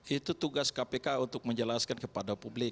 itu tugas kpk untuk menjelaskan kepada publik